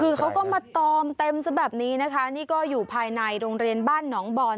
คือเขาก็มาตอมเต็มซะแบบนี้นะคะนี่ก็อยู่ภายในโรงเรียนบ้านหนองบอน